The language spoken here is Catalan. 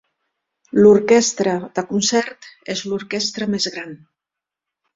L'orquestra de concert és l'orquestra més gran.